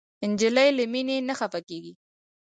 نجلۍ له مینې نه خفه کېږي.